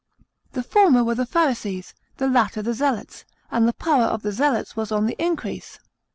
The former were the Pharisees, the latter the Zealots, and the power of the Zealots was on the increase.